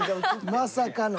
まさかの。